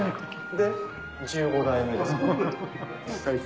で１５代目ですか？